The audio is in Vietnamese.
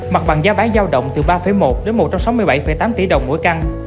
mặt bằng giá bán giao động từ ba một đến một trăm sáu mươi bảy tám tỷ đồng mỗi căn